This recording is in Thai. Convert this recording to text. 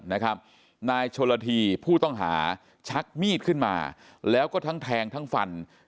นายชนละทีผู้ต้องหาชักมีดขึ้นมาแล้วก็ทั้งแทงทั้งฟัน